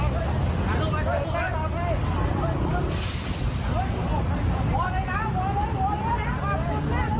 ปลอดภักดี